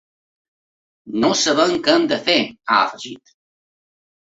No sabem què hem de fer, ha afegit.